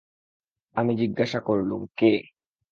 আমি জিজ্ঞাসা করলুম, কে?